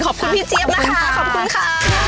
พี่เจี๊ยบนะคะขอบคุณค่ะ